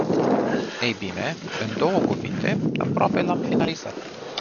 Ei bine, în două cuvinte, aproape l-am finalizat.